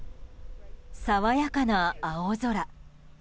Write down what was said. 爽やかな青空。